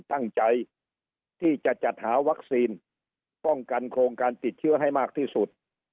ตั้งใจที่จะจัดหาวัคซีนป้องกันโครงการติดเชื้อให้มากที่สุด